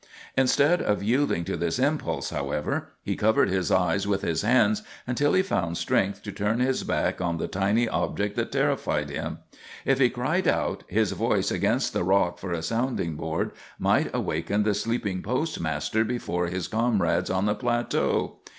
Instead of yielding to this impulse, however, he covered his eyes with his hands until he found strength to turn his back on the tiny object that terrified him. If he cried out, his voice, against the rock for a sounding board, might awaken the sleeping postmaster before his comrades on the plateau.